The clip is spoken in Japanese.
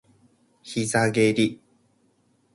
膝蹴り